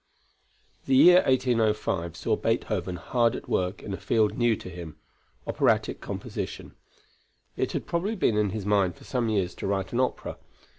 The year 1805 saw Beethoven hard at work in a field new to him, operatic composition. It had probably been in his mind for some years to write an opera.